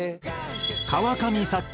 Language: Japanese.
川上作曲